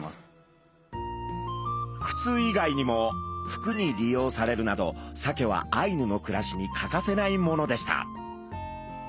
靴以外にも服に利用されるなどサケはアイヌの暮らしに欠かせないものでした。